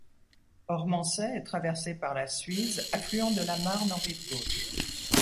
Ormancey est traversé par la Suize, affluent de la Marne en rive gauche.